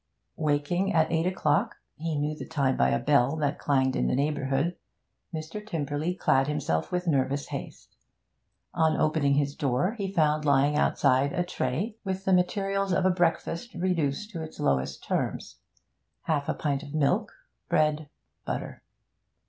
Waking at eight o'clock he knew the time by a bell that clanged in the neighbourhood Mr. Tymperley clad himself with nervous haste. On opening his door, he found lying outside a tray, with the materials of a breakfast reduced to its lowest terms: half a pint of milk, bread, butter.